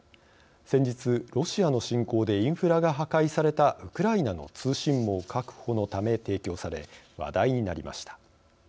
先日、ロシアの侵攻でインフラが破壊されたウクライナの通信網確保のため提供され、話題になりました。